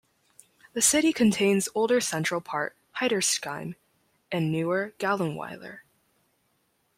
The city contains older central part Heiterscheim and newer Gallenweiler.